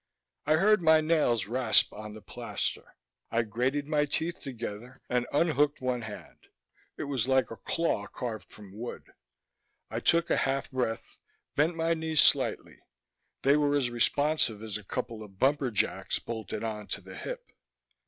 I heard my nails rasp on the plaster. I grated my teeth together and unhooked one hand: it was like a claw carved from wood. I took a half breath, bent my knees slightly; they were as responsive as a couple of bumper jacks bolted on to the hip.